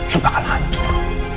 lo bakal hancur